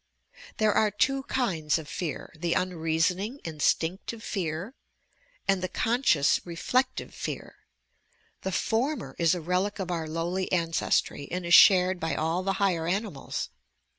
There are two kinds of Fear, the unreasoning instinc tive fear, and the couscious, reflective fear. The former is a relic of our lowly ancestry, and is shared by all the higher animals.